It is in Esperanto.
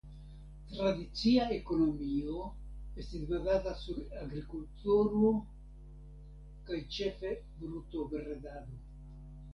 Tradicia ekonomio estis bazata sur agrikulturo kaj ĉefe brutobredado.